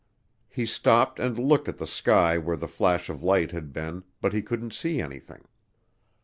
He stopped and looked at the sky where the flash of light had been but he couldn't see anything.